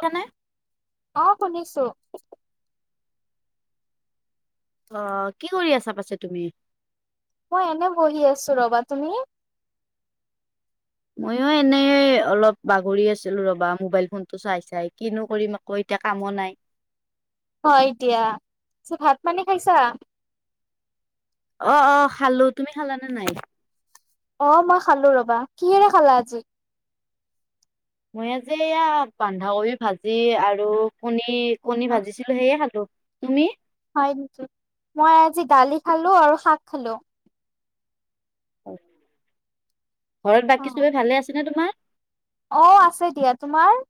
ছানে। অঁ' শুনিছো। অঁ কি কৰি আছা পাছে তুমি? মই এনে বহি আছো ৰ'বা তুমি? ময়ো এনেই অলপ বাগৰি আছিলো ৰবা মোবাইল ফোনটো চাই চাই কিনো কৰিম। কৈ এতিয়া কামো নাই। হয় দিয়া, চৌ ভাত পানী খাইছা? অঁ অঁ খালো। তুমি খালানে নাই? অঁ মই খালো ৰবা, কিহেৰে খালা আজি? মই আজি এইয়া বন্ধাকবি ভাজি আৰু কণী কণী অ ভাজিছিলো। সেয়ে খালো, তুমি? হয় নিকি, মই আজি দালি খালো আৰু শাক খালো। ঘৰত বাকী চবে ভালে আছেনে তোমাৰ? অঁ আছে দিয়া, তোমাৰ?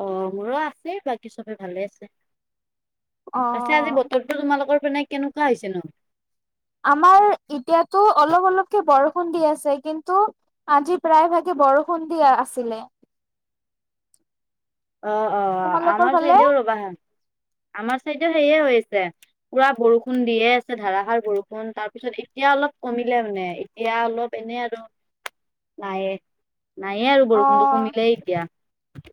অঁ মোৰো আছে বাকী চবে ভালে আছে। অ পাছে আজি বতৰ- ত তোমালোকৰ পিনে কেনেকুৱা হৈছে নো? আমাৰ এতিয়াতো অলপ অলপকে বৰষুণ দি আছে কিন্তু, - আজি প্ৰায় ভাগে বৰষুণ দিয়ে আছিলে। অঁ অঁ তোমালোকৰ আমাৰ ফালে চাইডেও ৰবা, আমাৰ চাইডেও সেয়ে হৈ আছে। পুৰা বৰষুণ দিয়ে আছে ধাৰষাৰ বৰষুণ তাৰ পিছত এতিয়া অলপ কমিলে মানে। এয়া অলপ এনেই আৰু। [inaudible] নায়ে নায়ে আৰু অ বৰষুণটো কমিলে এতিয়া।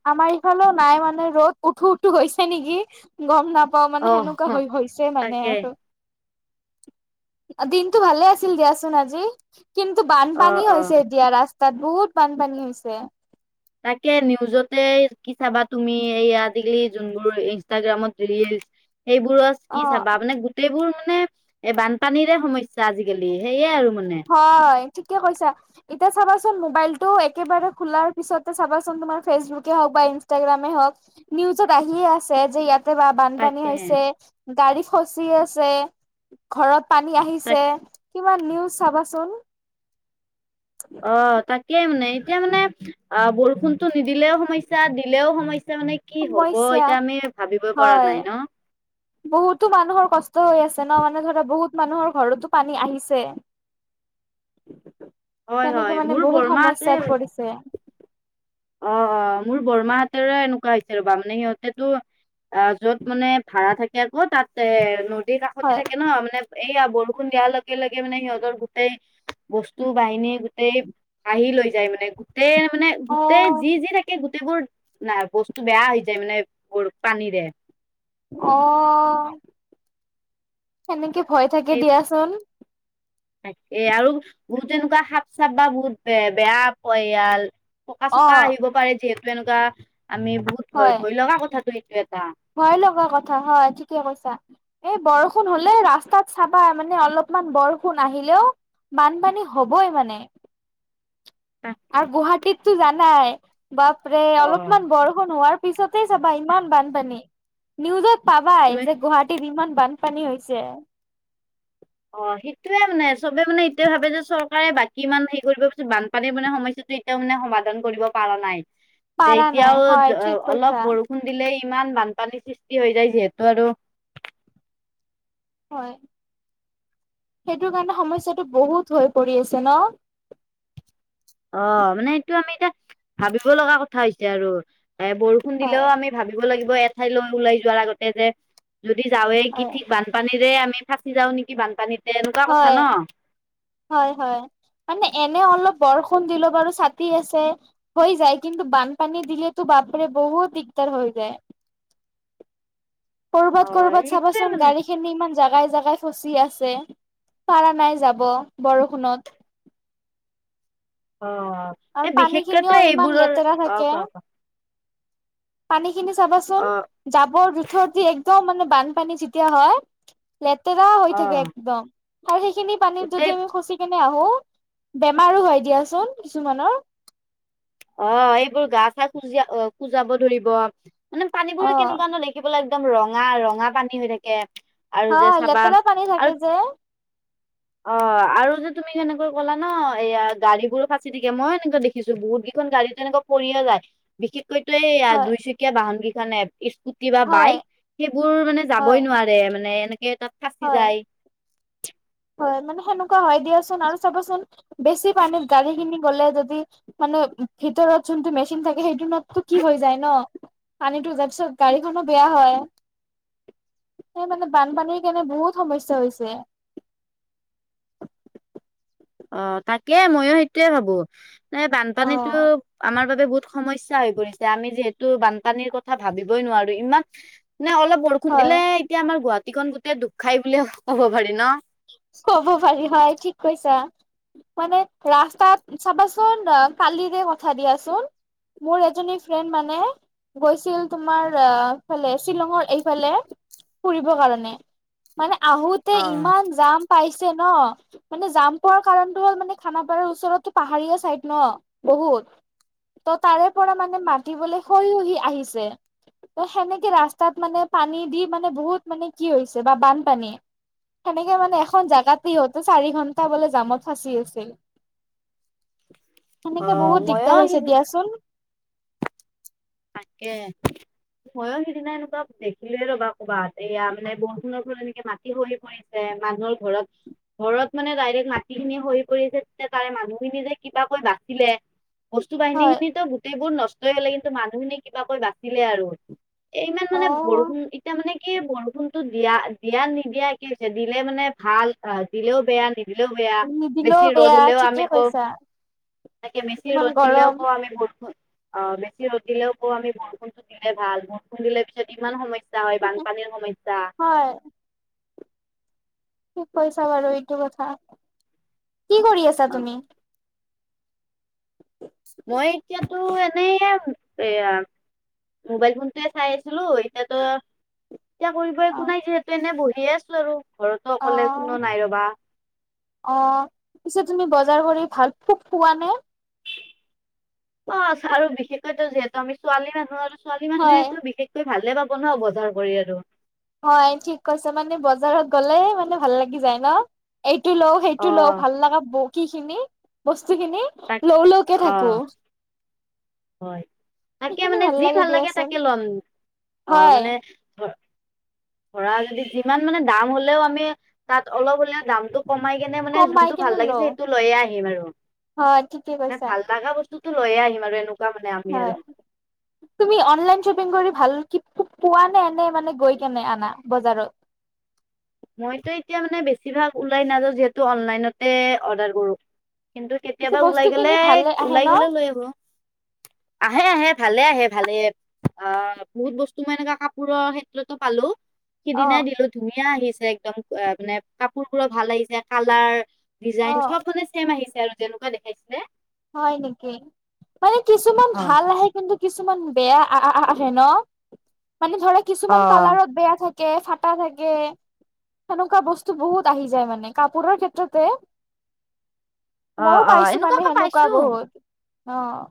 আমাৰ ইফালও নাই মানে ৰ'দ উঠো উঠো গৈ হৈছে নেকি। গম নাপাওঁ মানে অ সেনেকুৱা হৈ হৈছে মানে তাকে আৰু। দিনটো ভালে আছিল দিয়াচোন আজি, কিন্তু অ বানপানী অ হৈছে এতিয়া ৰাস- তাত বহুত বানপানী হৈছে। তাকে, নিউজতে কি চাবা তুমি এই আজিকালি যোনবোৰ ইনষ্টাগ্ৰামত ৰিলচ- সেইবোৰত- কি অ', চাবা মানে গোটেইবোৰ মানে এ বানপানীৰে সমস্যা আজিকালি, সেইয়ে আৰু মানে। হয়, ঠিকে কৈছা। এতিয়া চাবাচোন মোবাইলটো একেবাৰে খোলাৰ পিছতে চাবাচোন তোমাৰ ফেচবুকে হওক বা ইনষ্টাগ্ৰামে হওক। নিউজত আহিয়ে আছে যে ইয়াতে বা- বানপানী তাকে হৈছে, গাড়ী ফচি আছে, ঘৰত পানী তাকে আহিছে। কিমান নিউজ চাবাচোন। অঁ' তাত। তয়ে মানে এতিয়া মানে অ বৰষুণতটো নিদিলেও সমস্যা দিলেও সমস্যা মানে কি হব সমস্যা এতিয়া আমি ভাবিবই পৰা হয়। নাই ন বহুতো মানুহৰ কষ্ট হৈ আছে ন মানে ধৰা বহুত মানুহৰ ঘৰতো পানী আহিছে হয়, হয় তেনেকে মানে মোৰ বহুত বৰমাহঁতে সমস্যাত পৰিছে অ অ মোৰ বৰমাহতেৰে এনেকুৱা হৈছে ৰ'বা মানে সিহঁতেটো অ যত মানে ভাড়া থাকে আকৌ তাত এ নদীৰ কাষতে হয় থাকে ন মানে এইয়া বৰষুণ দিয়াৰ লগে লগে মানে সিহঁতৰ গোটেই বস্তু বাহিনী গোটেই আহি লৈ যায় মানে গোটেই মানে অ গোটেই যি যি থাকে গোটেইবোৰ বস্তু বেয়া হৈ যায় মানে বোৰ পানীৰে অ সেনেকে ভয় থাকে দিয়াচোন তাকেই আৰু বহুত তেনেকুৱা সাপ চাপ বা বহুত বে বেয়া পয়াল পকা অ চকা আহিব পাৰে যিহেতু এনেকুৱা আমি বহুত ভয় হয় ভয় লগা কথাটো এইটো এটা ভয় লগা কথা হয় ঠিকে কৈছা এই বৰষুণ হলে ৰাস্তাত চাবা মানে অলপমান বৰষুণ আহিলেও বানপানী হবই মানে তাকে আৰু গুৱাহাটীততো জানাই বাপৰে অ অলপমান বৰষুণ হোৱাৰ পিছতে চাবা ইমান বানপানী নিউজত পাবাই তুমি যে গুৱাহী ইমান বানপানী হৈছে অ সেইটোয়ে মানে চবে মানে এইটয়ে ভাবে যে চৰকাৰে বাকী ইমান হেৰি কৰিব পত বানপানীৰ মানে সমস্যাটো তেওঁ সমাধান কৰিব পৰা নাই যে পাৰা নাই এতিয়াও হয় ঠিক কৈছা অলপ বৰ দিলেই ইমান বানপানী সৃষ্টি হৈ যায় যিহেতু আৰু হয় সেইটো কাৰণে সমস্যাটো বহুত হৈ পৰি আছে ন অ মানে এইটো আমি এতিয়া ভাবিব লগা কথা হৈছে আৰু এ বৰষুণ দিলেও হয় আমি ভাবিব লাগিব এঠাইলৈ ওলাই যোৱাৰ আগতে যে যদি যাৱে কি হয় ঠিক বা বান পানীৰে আমি ফাঁচি যাওঁ নেকি বানপানীতে এনেকুৱা কথা হয়, ন হয় হয় মানে এনে অলপ বৰষুণ দিলো বাৰু ছাতি আছে হৈ যায় কিন্তু বানপানী দিলেতো বাপৰে বহুত দিগদাৰ হৈ যায় অ', কৰ'বাত কৰ'বাত সেইটোয়ে চাবাচোন মানে গাড়ীখিনি ইমান জাগাই জোগাই ফচি আছে পাৰা নাই যাব বৰষুণত অ আৰু এ পানী খিনিও বিশেষকৈ ইমান এইবোৰৰ লেতেৰা অ থাকে কোৱা কোৱা পানী খিনি চাবাচোন অ', জাবৰ জোথৰ দি একদম মানে বানপানী যেতিয়া হয় লেতেৰা হৈ থাকে অ', একদম আৰু সেইখিনি পানীত গোটেই যদি আমি খচি কেনে আহো বেমাৰো হয় দিয়াচোন কিছুমানৰ অ এইবোৰ গা চা খজা অ খুজাব ধৰিব মানে পানীবোৰ অ', কেনেকুৱা ন দেখিব লাগি একদম ৰঙা ৰঙা পানী হৈ থাকে আৰু যে হয় চাবা লেতেৰা পানী আৰু থাকে যে অ আৰু যে তুমি কেনেকৈ কলা ন এয়া গাড়ী বোৰ ফাচি থাকে মই এনেকে দেখিছো বহুত খন গাড়ী তেনেকুৱা পৰিয়ে যায় বিশেষকৈতো এই হয়, দুইচকীয়া বাহন কেইখনেে স্ু কি বা হয়, বাইক সেইবোৰ মানে হয়, যাবই নোৱাৰে মানে এনেকে তাত ফাঁচি হয়, যায় হয় মানে সেনেকুৱা হয় দিয়চোন আৰু চাবচোন বেছি পানীত গাড়ী খিনি গলে যদি মানে ভিতৰত যোনটো মেচিন থাকে সেইটোতো কি হৈ যায় ন পানীটো যোৱা পিছত গাড়ীখনো বেয়া হয় সেই মানে বানপানীৰ কাৰণে বহুত সমস্যা হৈছে অ তাকে ময়ো সেইটোয়ে ভাবো এ বানপানীতো অ', আমাৰ বাবে বহুত সমস্যা হৈ পৰিছে আমি যিহেতু বানপানীৰ কথা ভাবিবই নোৱাৰো ইমান নে অলপ বৰষুণ হয় দিলে এতিয়া আমাৰ গুৱাহাটীখন গোটেই দুব খাই বুলিয়ে ক'ব পাৰি ন? ক'ব পাৰি হয়, ঠিক কৈছা। মানে ৰাস্তাত চাবাচোন আ কালিৰে কথা দিয়াচোন। মোৰ এজনী ফ্ৰেণ্ড মানে গৈছিল তোমাৰ আহফালে শ্বিলঙৰ এইফালে ফুৰিবৰ কাৰণে। মানে আহোতে অ ইমান জাম পাইছে ন মানে জাম পোৱাৰ কাৰণটো হ'ল মানে খানাপাৰাৰ ওচৰতো পাহাৰীয়া চাইড ন বহুত। ত' তাৰে পৰা মানে মাতিবলে শৈ উহি আহিছে। ত সেনেকে ৰাস্তাত মানে পানী দি মানে বহুত মানে কি হৈছে বা বানপানী সেনেকে মানে এ খন জেগাত ইহঁতে চাৰি ঘন্টা বোলে জামত ফাঁচি আছিল। অ সেনেকে বহুত মইও দিগদাৰ হৈছে দিয়াচোন। তাকে। ময়ো সিদিনা এনেকুৱা দেখিলোৱে ৰ'বা ক'ৰবাত এয়া মানে বৰষুণৰ ফলত এনেকে মাটি খহি পৰে যে মানুহৰ ঘৰত ঘৰত মানে ডাইৰেক্ট মাটিখিনি খহি পৰিছে তেতিয়া তাৰে মানুহখিনি যে কিবা কৈ বাচিলে। বস্তু হয় বাহিনীখিনিতো গোটেইবোৰ নষ্টই হ'লে কিন্তু মানুহখিনি কিবাকৈ বাচিলে আৰু। এই ইমান অ মানে বৰষুণ ই এতিয়া মানে কি বৰষুণটো দিয়া - দিয়া নিদিয়া একে হৈছে, দিলে মানে ভাল আ দিলেও বেয়া নি দিলেও বেয়া, নিদিলেও বেছি বেয়া ৰ'দ হলেও ঠিকে আমি ক কৈছা তাকে মেচি ইমান ৰ'দ দিলেও গৰম ক আমি বৰষুণ অ বেছি ৰ'দ দিলেও কও আমি বৰষুণতো দিলে ভাল, বৰষুণ দিলে পিছত ইমান সমইচ স্যা হয় বানপানীৰ সমস্যা। হয় ঠিক কৈছা বাৰু এইটো কথা, কি কৰি আছা অ তুমি? মই এতিয়া টো এনেই এম, এয়া মোবাইল ফোনটোয়ে চাই আছিলো এতিয়াত এতিয়া কৰিব অ একো নাই যিহেতু এনে বহিয়ে আছো আৰু ঘৰতো অকলে অ কোনো নাই ৰবা। অ, পিছে তুমি বজাৰ কৰি ভাল খুব খুৱা নে? অচ আৰু বিশেষকৈ ত যিহেতু আমি ছোৱালী মানুহ আৰু ছোৱালী হয়। মানুহেতো বিশেষ কে ভালে পাব নহয় বজাৰ কৰি আৰু। হয় ঠিক কৈছে মানে বজাৰত গলে মানে ভাল লাগি যায় ন। এইটো লও, অ সেইটো লও, ভাল লাগা ব কিখিনি বস্তুখিনি। তাক লও লওকে অ থাকো। হয়, তাকে মানে যি ভাল লাগে তাকে লম, অ হয়। মানে ধ ধৰা যদি যিমান মানে দাম হলেও আমি তাত অলপ হলেও দামটো কমাই কেনে মানে কমাই যোনটো ভাল কিনে লাগিছে লও সেইটো লৈয়ে আহিম আৰু হয় ঠিকে মানে কৈছা ভাল লাগা বস্তু তো লৈয়ে আহিম আৰু এনো হয়। তুমি অনলাইন শ্বপিং কৰি ভাল কি খুব পোৱা নে এনে মানে গৈ কেনে আনা বজাৰত? মইতো এতিয়া মানে বেছিভাগ ওলাই নাযাওঁ যিহেতু অনলাইনতে অৰ্ডাৰ কৰো। কিন্তু পিছে কেতিয়াবা ওলাই বস্তু গেলে, খিনি ভালে আহে ওলাই ন? গলেও লৈ আহো। আহে আহে ভালে আহে, ভালে অ, বহুত বস্তু মই এনেকুৱা কাপোৰৰ ক্ষেত্ৰতো পালো অ সিদিনাই দিলো ধুনীয়া আহিছে একদম ক মানে কাপোৰবোৰো ভাল আহিছে কালাৰ অ ডিজাইন, চব মানে ছেম আহিছে আৰু যেনেকুৱা দেখাইছিলে। হয় নেকি? মানে কিছুমান অ', ভাল আহে কিন্তু কিছুমান বেয়া আহআআহে ন' মানে ধৰা কিছুমান অ'। কালাৰত বেয়া থাক কে ফাটা থাকে। সেনকুৱা বস্তু বহুত আহি যায় মানে কাপোৰৰ ক্ষেত্ৰতে অ', ময়ো অ', পাইছো এনেকুৱা মানে মই সেনেকুৱা পাইছো বহুত অঁ।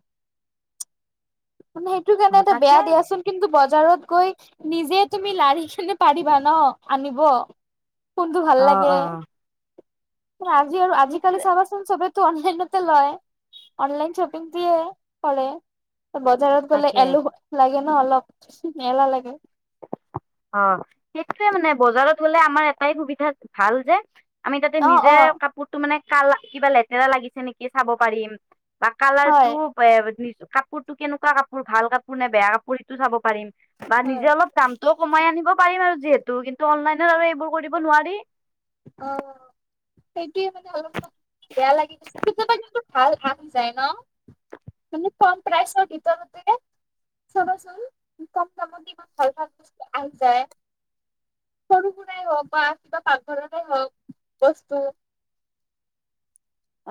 মানে সেইটো কাৰণে অ', এটা তাকে বেয়া দিয়াচোন। কিন্তু বজাৰত গৈ নিজে তুমি লাৰি কিনে পাৰিবা ন' আনিব। কোনটো ভাল অ', লাগে, অ'। আজি আৰু আজিকালি সেইটোৱে চাবা চবে ত' অনলাইনতে লয় অনলাইন শ্বপিং দিয়ে কৰে। বজাৰত গ'লে তাকে এলোহু লাগে ন অলপ এলাহ লাগে। অঁ সেইটোৱে মানে বজাৰত গ'লে আমাৰ এটাই সুবিধা ভাল যে আমি তাতে অ নিজে অ কাপোৰটো মানে কালা কিবা লেতেৰা লাগিছে নেকি চাব পাৰিম। বা হয় কালাৰটো বে কাপোৰটো কেনেকুৱা কাপোৰ ভাল কাপোৰ নে বেয়া কাপোৰ সিটো চাব পাৰিম। বা হয় নিজে অলপ দামটোও কমাই আনিব পাৰিম আৰু যিহেতু কিন্তু অনলাইনত আৰু এইবোৰ কৰিব নোৱাৰি। অঁহ। সেইটোয়ে মানে অলপমান বেয়া লাগি গৈছে, কেতিয়াবা ভালো লাগি যায় ন' তুমি ক'ম প্ৰাইছৰ ভিতৰতে চাবাচোন কাম দায়ত ইমান ভাল ভাল বস্তু আহি যায়। সৰু সুৰাই হওঁক বা কিবা পাকঘৰতেই হওঁক বস্তু।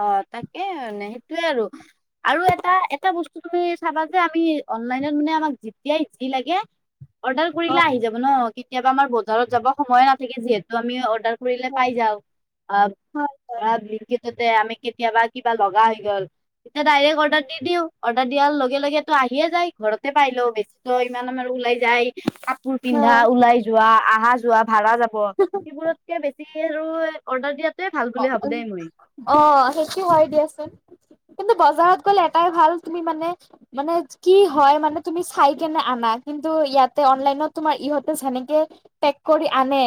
অঁ তাকে মানে সেইটোয়ে আৰু আৰু এটা এটা বস্তু তুমি চাবা যে আমি অনলাইনত মানে আমাক যেতিয়াই যি লাগে অৰ্ডাৰ অ কৰিলে আহি যাব ন' কেতিয়াবা আমাৰ বজাৰত যাব সময়ে নাথাকে যিহেতু আমি অৰ্ডাৰ ফুৰিলে পাই হয় যাওঁ অব হয় হয় অব তাতে আমি কেতিয়াবা কিবা লগা হৈ গ'ল ডাইৰেক্ট অৰ্ডাৰ দি দিওঁ অৰ্ডাৰ দিয়াৰ লগে লগেতো আহিয়ে যায় ঘৰতে পাই লওঁ বেছ ত' ইমান আমাৰ ওলাই যায়। কাপোৰ পিন্ধা, ওলাই যোৱা, আহা যোৱা ভাড়া যাব সেইবোৰতকে বেছি এ আৰু এ অৰ্ডাৰ দিয়াত অ অ' সেইটো হয় দিয়াচোন কিন্তু বজাৰত গ'লে এটাই ভাল তুমি মানে মানে কি হয় মানে তুমি চাই কেনে আনা, কিন্তু ইয়াতে অনলাইনত তোমাৰ ইহঁতে যেনেকে পেক কৰি আনে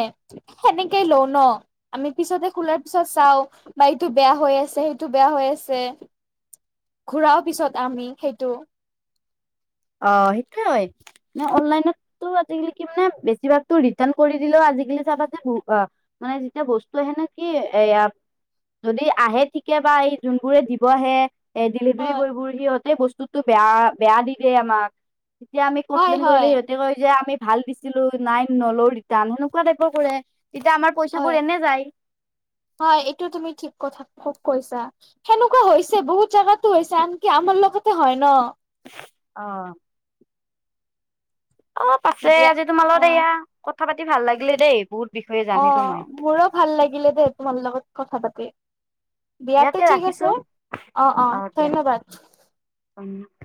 সেনেকেই লওঁ ন' আমি পিছতে খোলাৰ পিছত চাওঁ বা এইটো বেয়া হৈ আছে, সেইটো বেয়া হৈ আছে। ঘূৰাও পিছত আমি সেইটো। অঁ সেইটোৱে হয়। ন' অনলাইনততো আজিকালি কি মানে বেছিভাগতো ৰিটাৰ্ণ কৰি দিলেও আজিকালি চাবা যে উ আ মানে যেতিয়া বস্তু আহে নকি এইয়া। যদি আহে ঠিকে বা এই যোনবোৰে দিব আহে এ ডেলিভাৰী হয় বয় বোৰ সিহঁতে বস্তুটো বেয়া বেয়া দি দিয়ে আমাক। তেতিয়া আমি হয় কমপ্লেইন কৰিলে হয় সিহঁতি কয় যে আমি ভাল দিছিলো নাই নলওঁ ৰিটাৰ্ণ সেনেকুৱা টাইপৰ কৰে তেতিয়া আমাৰ পইচা হয় বোৰ এনে যায়। হয় এইটো তুমি ঠিক কথা খুব কৈছা। সেনেকুৱা হৈছে বহুত জেগাতো হৈছে আনকি আমাৰ লগতে হয় ন' অঁ অঁ পাছে দিয়া আজি তোমাৰ অ লগত এয়া কথা পাতি ভাল লাগিলে দেই, বহুত বিষয়ে। অ জানিলো মই মোৰো ভাল লাগিলে দেই তোমাৰ লগত কথা পাতি দিয়াতে ইয়াতে ঠিক ৰাখিছো আছে অ অ ধন্যবাদ উম